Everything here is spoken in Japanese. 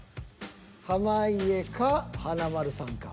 濱家か華丸さんか。